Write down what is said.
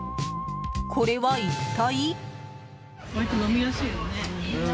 これは一体。